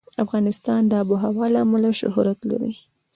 افغانستان د آب وهوا له امله شهرت لري.